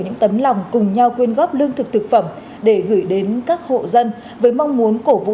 những tấm lòng cùng nhau quyên góp lương thực thực phẩm để gửi đến các hộ dân với mong muốn cổ vũ